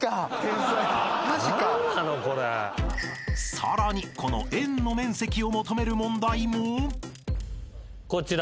［さらにこの円の面積を求める問題も］こちら。